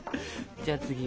じゃあ次は。